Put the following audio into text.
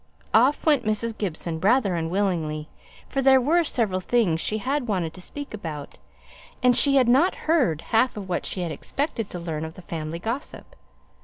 Off went Mrs. Gibson, rather unwillingly; for there were several things she wanted to speak about, and she had not heard half of what she had expected to learn of the family gossip.